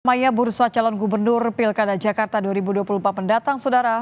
maya bursa calon gubernur pilkada jakarta dua ribu dua puluh empat mendatang saudara